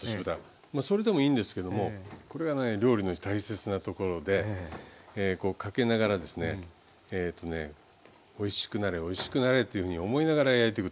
それでもいいんですけどもこれがね料理の大切なところでこうかけながらですねおいしくなれおいしくなれというふうに思いながら焼いていくと。